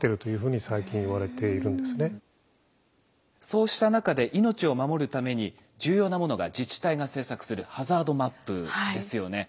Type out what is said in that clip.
そうした中で命を守るために重要なものが自治体が制作するハザードマップですよね。